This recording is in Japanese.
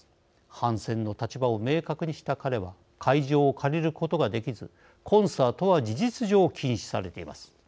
反戦の立場を明確にした彼は会場を借りることができずコンサートは事実上禁止されています。